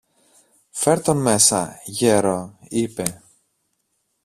Φερ' τον μέσα, γέρο, είπε.